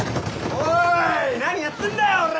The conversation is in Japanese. おい何やってんだよおら！